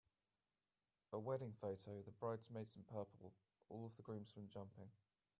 A wedding photo, the bridesmaids in purple, all of the groomsmen jumping.